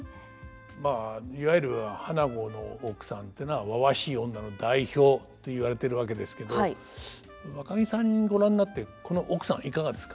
まあいわゆる「花子」の奥さんっていうのはわわしい女の代表と言われてるわけですけどわかぎさんご覧になってこの奥さんいかがですか？